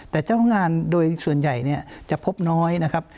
แต่เจ้างานโดยส่วนใหญ่เนี่ยจะพบน้อยนะครับ